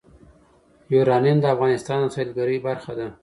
یورانیم د افغانستان د سیلګرۍ برخه ده.